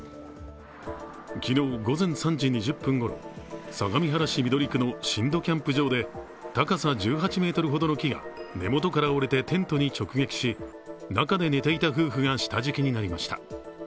昨日、午前３時２０分ごろ、相模原市緑区の新戸キャンプ場で高さ１８ｍほどの木が根元から折れてテントに直撃し、中で寝ていた夫婦が下敷きになりました。